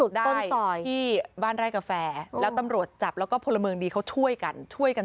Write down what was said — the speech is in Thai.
ไปจับได้ที่บ้านไร่กาแฟแล้วตำรวจจับแล้วก็พลเมิงดีเขาช่วยกัน